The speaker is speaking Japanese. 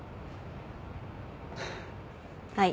はい。